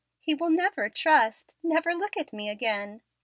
He will never trust, never even look at me again."